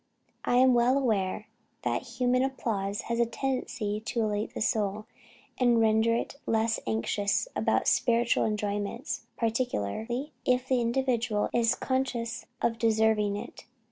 I am well aware that human applause has a tendency to elate the soul, and render it less anxious about spiritual enjoyments, particularly if the individual is conscious of deserving it.